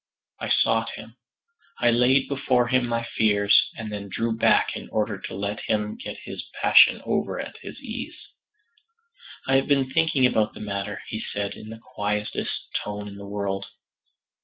I sought him. I laid before him my fears, and then drew back in order to let him get his passion over at his ease. "I have been thinking about the matter," he said, in the quietest tone in the world.